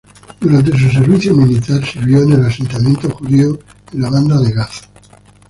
Durante su servicio militar sirvió en un asentamiento judío en la banda de Gaza.